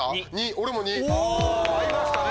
俺も２！合いましたね。